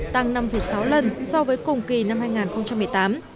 tăng năm sáu lần so với cùng kỳ năm hai nghìn một mươi tám